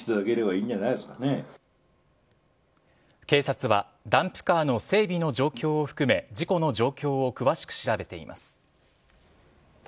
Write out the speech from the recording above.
警察はダンプカーの整備の状況を含め事故の状況を詳しく調べています。